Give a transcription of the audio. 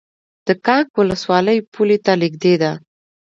د کانګ ولسوالۍ پولې ته نږدې ده